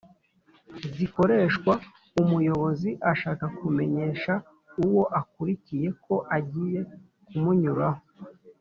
zikoreshwa umuyobozi ashaka kumenyesha uwo akurikiye ko agiye kumunyuraho